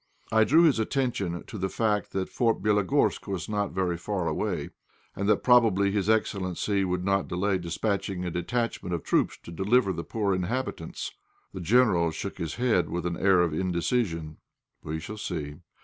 I drew his attention to the fact that Fort Bélogorsk was not very far away, and that probably his excellency would not delay dispatching a detachment of troops to deliver the poor inhabitants. The General shook his head with an air of indecision "We shall see!